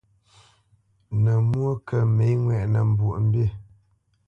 Nə̌ mwó kə mə̌ ŋwɛʼnə Mbwoʼmbî.